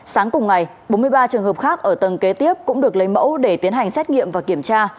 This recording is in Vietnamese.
sáng cùng ngày bốn mươi ba trường hợp khác ở tầng kế tiếp cũng được lấy mẫu để tiến hành xét nghiệm và kiểm tra